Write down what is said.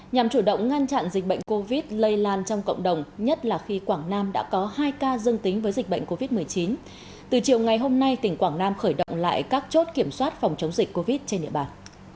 nhằm chủ động ngăn chặn dịch bệnh covid một mươi chín lây lan trong cộng đồng nhất là khi quảng nam đã có hai ca dân tính với dịch bệnh covid một mươi chín từ chiều ngày hôm nay tỉnh quảng nam khởi động lại các chốt kiểm soát phòng chống dịch covid một mươi chín trên địa bàn